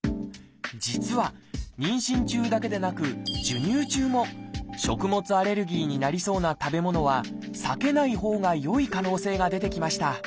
実は妊娠中だけでなく授乳中も食物アレルギーになりそうな食べ物は避けないほうがよい可能性が出てきました。